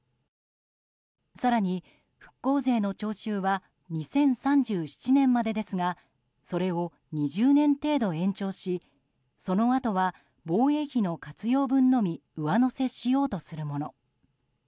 更に、復興税の徴収は２０３７年までですがそれを２０年程度延長しそのあとは防衛費の活用分のみ上乗せしようとするもの。